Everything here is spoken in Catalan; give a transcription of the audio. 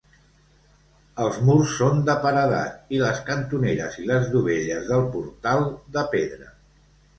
Els murs són de paredat i les cantoneres i les dovelles del portal, de pedra.